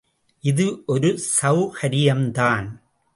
இது ஒரு சவுகரியம்தான்.